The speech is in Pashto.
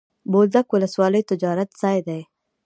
بولدک ولسوالي تجارتي ځای دی.